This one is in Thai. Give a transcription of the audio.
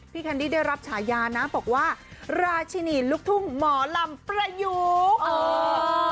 แคนดี้ได้รับฉายานะบอกว่าราชินีลูกทุ่งหมอลำประยุกต์เออ